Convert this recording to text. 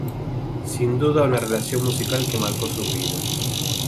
Sin duda una relación musical que marco sus vidas.